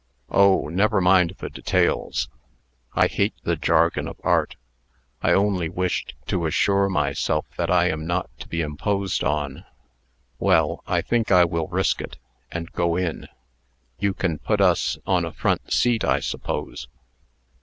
"Oh! never mind the details. I hate the jargon of Art. I only wished to assure myself that I am not to be imposed on. Well, I think I will risk it, and go in. You can put us on a front seat, I suppose?"